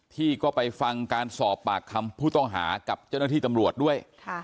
ที่ก็ไปฟังการสอบปากคำผู้ต้องหากับเจ้าหน้าที่ตำรวจด้วย